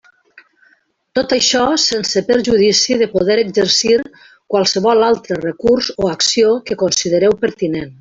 Tot això sense perjudici de poder exercir qualsevol altre recurs o acció que considereu pertinent.